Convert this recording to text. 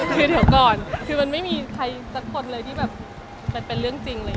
คือเดี๋ยวก่อนคือมันไม่มีใครสักคนเลยที่แบบมันเป็นเรื่องจริงเลย